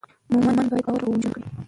مؤمن باید په باور او امید ژوند وکړي.